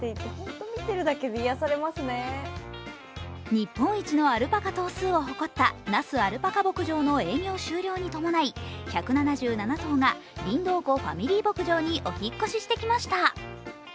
日本一のアルパカ頭数を誇った那須アルパカ牧場の営業終了に伴い、１７７頭がりんどう湖ファミリー牧場にお引っ越ししてきました。